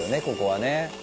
ここはね。